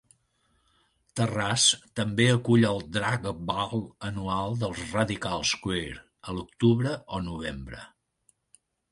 Terrace també acull el "Drag Ball anual dels Radicals queer" a l'octubre o novembre.